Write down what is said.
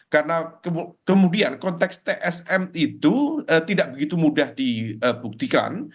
karena kemudian konteks tsm itu tidak begitu mudah dibuktikan